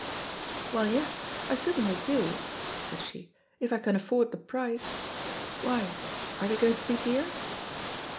"Well, yes, I certaiiJy do," said she, "if I can afford the price. Why? Are they going to be dear?"